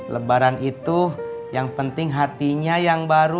lebaran itu yang penting hatinya yang baru